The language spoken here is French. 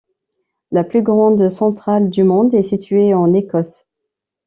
La plus grande centrale du monde est située en Écosse.